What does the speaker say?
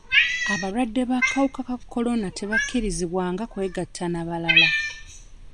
Abalwadde b'akawuka ka kolona tebakkirizibwanga kwegatta na balala.